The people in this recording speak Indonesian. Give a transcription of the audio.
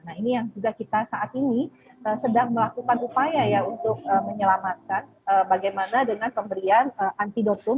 nah ini yang juga kita saat ini sedang melakukan upaya ya untuk menyelamatkan bagaimana dengan pemberian antidotum